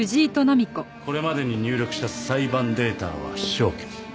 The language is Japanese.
これまでに入力した裁判データは消去。